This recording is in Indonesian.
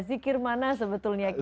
zikir mana sebetulnya